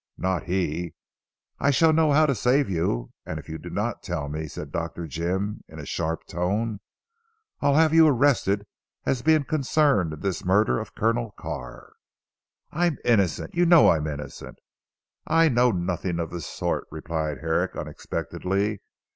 "Not he! I shall know how to save you, and if you do not tell," said Dr. Jim in a sharp tone, "I'll have you arrested as being concerned in this murder of Colonel Carr." "I am innocent; you know I am innocent!" "I know nothing of the sort," replied Herrick unexpectedly.